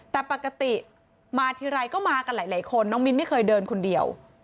แต่ปกติมาทีไรก็มากันหลายคนน้องมิ้นไม่เคยเดินคนเดียว